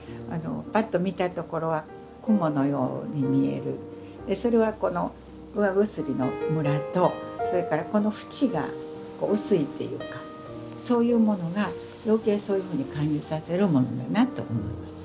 パッと見たところはそれはこの釉薬のむらとそれからこの縁が薄いっていうかそういうものがよけいそういうふうに感じさせるものだなと思いますね。